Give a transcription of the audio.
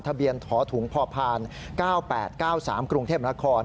ทะเบียนท้อถูงพ่อพาน๙๘๙๓กรุงเทพราคอน